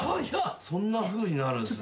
そんなふうになるんすね。